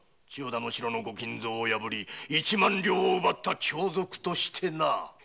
千代田の城の御金蔵を破り一万両を奪った凶賊としてな！